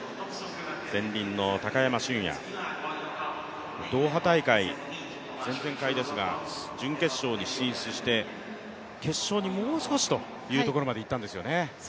ゼンリンの高山峻野ドーハ大会、前々回ですが準決勝に進出して、決勝にもう少しというところまでいったんですよね。